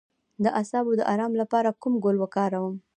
د اعصابو د ارام لپاره کوم ګل وکاروم؟